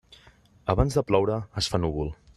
Abans de ploure, es fa núvol.